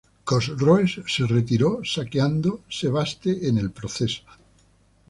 Cosroes se retiró, saqueando Sebaste en el proceso.